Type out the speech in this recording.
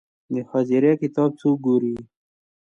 د حاضري کتاب څوک ګوري؟